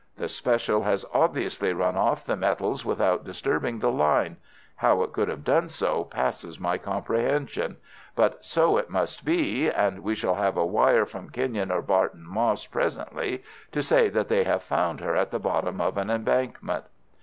The special has obviously run off the metals without disturbing the line—how it could have done so passes my comprehension—but so it must be, and we shall have a wire from Kenyon or Barton Moss presently to say that they have found her at the bottom of an embankment."